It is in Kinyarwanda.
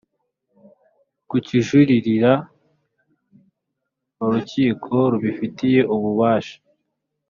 kukijuririra mu rukiko rubifitiye ububasha